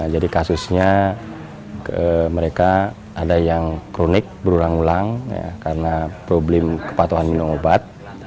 jadi kasusnya mereka ada yang kronik berulang ulang karena problem kepatuhan minum obat